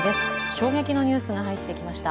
衝撃のニュースが入ってきました。